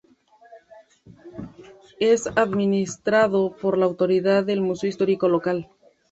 Es administrado por la autoridad del museo histórico local.